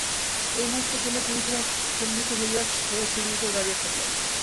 এক মুহুর্তের জন্যে পুলিশরা স্তম্ভিত হয়ে সিঁড়ির উপর দাঁড়িয়ে থাকলেন।